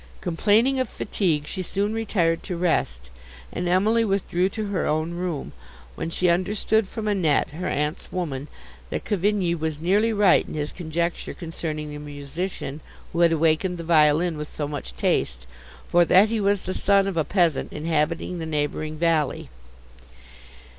Complaining of fatigue she soon retired to rest, and Emily withdrew to her own room, when she understood from Annette, her aunt's woman, that Cavigni was nearly right in his conjecture concerning the musician, who had awakened the violin with so much taste, for that he was the son of a peasant inhabiting the neighbouring valley.